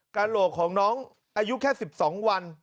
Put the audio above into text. กระโหลกของน้องอายุแค่๑๒วัน